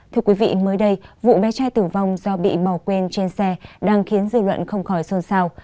thưa quý vị mới đây vụ bé trai tử vong do bị bỏ quên trên xe đang khiến dư luận không khỏi sơn sao